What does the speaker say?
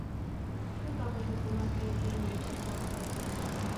د کابل حکومت یې دروند استقبال کړی دی.